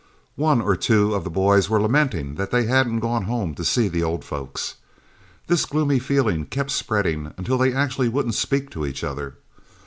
One or two of the boys were lamenting that they hadn't gone home to see the old folks. This gloomy feeling kept spreading until they actually wouldn't speak to each other.